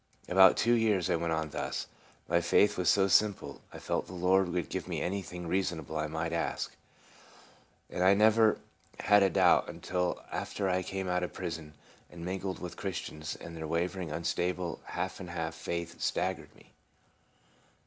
About two years I went on thus. My faith was so simple, I felt the Lord would give me anything reasonable I might ask. And I Ji'OXA' 7JV THE PRISON. 35 never had a doubt until after I came out of prison and mingled with Christians, and their wavering, unstable, half and half faith stag gered me.